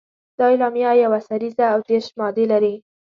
دا اعلامیه یوه سريزه او دېرش مادې لري.